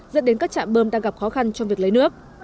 dẫn đến các trạm bơm đang gặp khó khăn trong việc lấy nước